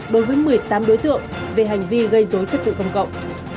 đối với một mươi tám đối tượng về hành vi gây dối chất tự công cộng